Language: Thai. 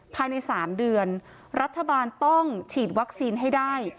ภายใน๓เดือนรัฐบาลต้องฉีดวัคซีนให้ได้